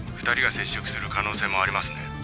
２人が接触する可能性もありますね。